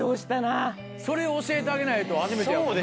それを教えてあげないと初めてやもんね。